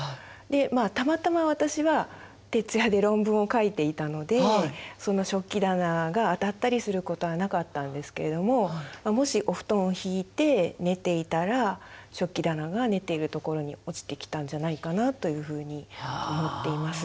たまたま私は徹夜で論文を書いていたのでその食器棚が当たったりすることはなかったんですけれどももしお布団を敷いて寝ていたら食器棚が寝ているところに落ちてきたんじゃないかなというふうに思っています。